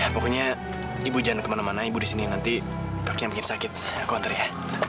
pokoknya ibu jangan kemana mana ibu disini nanti kakinya sakit aku ntar ya